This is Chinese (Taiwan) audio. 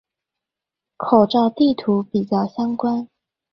口罩地圖比較相關